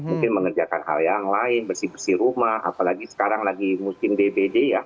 mungkin mengerjakan hal yang lain bersih bersih rumah apalagi sekarang lagi musim dbd ya